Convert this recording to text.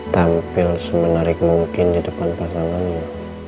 tampil semenarik mungkin di depan pasangannya